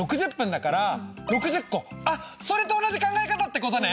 それと同じ考え方ってことね！